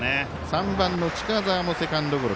３番の近澤もセカンドゴロ